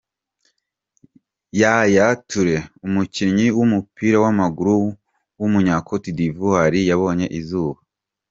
Yaya Touré, umukinnyi w’umupira w’amaguru w’umunya Cote d’ivoire yabonye izuba.